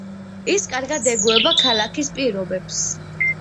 ის კარგად ეგუება ქალაქის პირობებს.